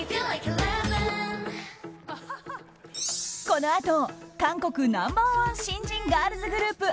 このあと韓国ナンバーワン新人ガールズグループ